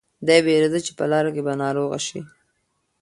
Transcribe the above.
دی وېرېده چې په لاره کې به ناروغه شي.